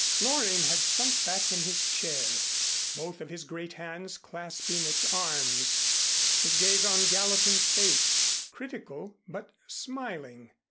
Loring had sunk back in his chair, both of his great hands clasping its arms, his gaze on Gallatin's face, critical but smiling.